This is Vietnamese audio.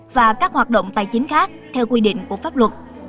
và các hoạt động tài chính khác theo quy định của pháp luật